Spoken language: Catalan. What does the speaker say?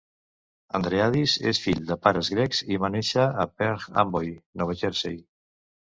Andreadis és fill de pares grecs i va néixer a Perth Amboy, Nova Jersey.